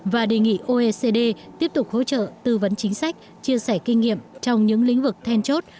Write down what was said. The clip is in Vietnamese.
và đề nghị oecd tiếp tục hỗ trợ tư vấn chính sách chia sẻ kinh nghiệm trong những lĩnh vực then chốt